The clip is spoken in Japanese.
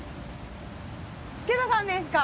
助田さんですか？